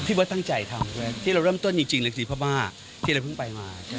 พี่เบิร์ตตั้งใจทำด้วยที่เราร่วมต้นจริงหลักศิษย์พระม่าที่เราเพิ่งไปมา